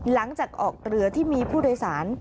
หลังจากออกเรือที่มีพุทธไอศาล